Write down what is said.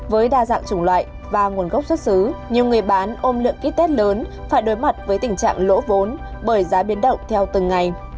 với đa dạng chủng loại và nguồn gốc xuất xứ nhiều người bán ôm lượng ký test lớn phải đối mặt với tình trạng lỗ vốn bởi giá biến động theo từng ngày